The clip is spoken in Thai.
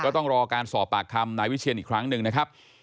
ต้องรอการสอบปากคำนายวิเชียนอีกครั้งหนึ่งนะครับ